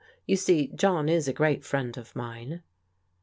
You see, John is a great friend of mine."